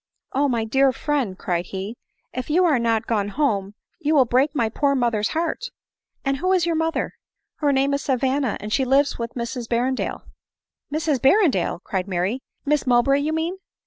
" Oh ! my dear friend, cried he, " if you are not gone home you will break my poor mother's heart !"" And who is your mother ?"" Her name is Savanna — and she lives with Mrs Ber rendale." " Mrs Berrendale !" cried Mary, " Miss Mowbray you mean."